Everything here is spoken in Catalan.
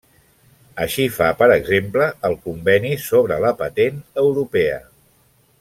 Així fa per exemple el Conveni sobre la Patent Europea.